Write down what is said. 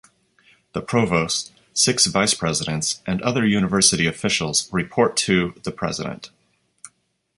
The provost, six vice presidents, and other university officials report to the President.